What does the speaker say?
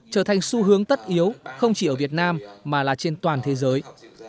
trở thành xu hướng tất yếu không chỉ ở việt nam mà là trên toàn thế giới